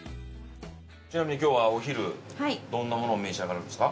ちなみに今日はお昼どんなものを召し上がるんですか。